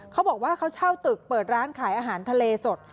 เขาบอกว่าเขาเช่าตึกเปิดร้านขายอาหารทะเลสด